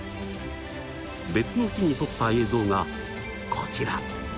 別の日に撮った映像がこちら！